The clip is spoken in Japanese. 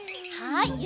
はい。